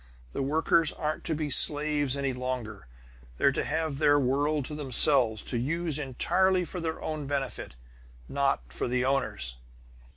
The workers aren't to be slaves any longer; they're to have their world to themselves, to use entirely for their own benefit; not for the owners!